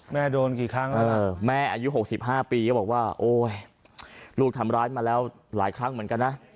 แม่โดนกี่ครั้งแม่อายุหกสิบห้าปีก็บอกว่าโอ้ยลูกทำร้ายมาแล้วหลายครั้งเหมือนกันนะ